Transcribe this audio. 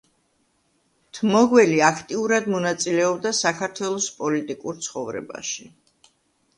თმოგველი აქტიურად მონაწილეობდა საქართველოს პოლიტიკურ ცხოვრებაში.